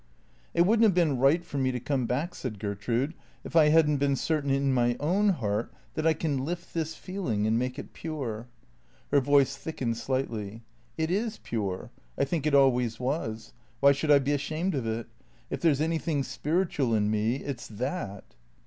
" It would n't have been right for me to come back," said Gertrude, "if I hadn't been certain in my own heart that I can lift this feeling, and make it pure." Her voice thickened slightly. "It is pure. I think it always was. Why should I be ashamed of it ? If there 's anything spiritual in me, it 's that."